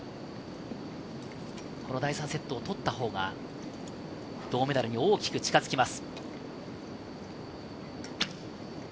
この第３セットを取ったほうが銅メダルに大きく近づきます。